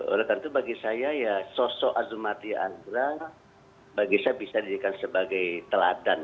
oleh karena itu bagi saya sosok azumati andra bagi saya bisa dilihat sebagai teladan